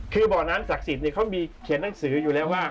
คือบ่อน้านศักดิ์ศิษฐ์เนี่ยเขามีเขียนหนังสืออยู่แล้วว่า